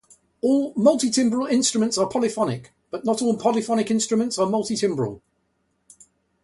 All multitimbral instruments are polyphonic, but not all polyphonic instruments are multitimbral.